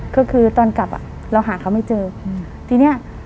ก็คือตอนกลับอ่ะเราหาเขาไม่เจอทีเนี้ย